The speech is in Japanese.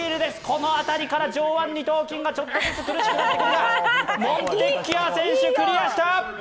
この辺りから上腕二頭筋がちょっとずつ厳しくなってくるが、モンテキア選手、クリアした！